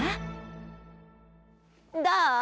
どう？